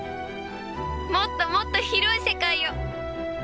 もっともっと広い世界を。